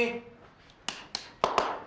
nah coba lihat